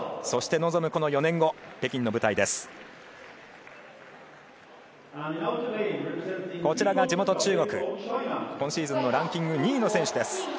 そして地元・中国の今シーズンのランキング２位の選手です。